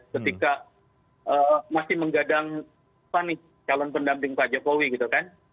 ketika masih menggadang apa nih calon pendamping pak jokowi gitu kan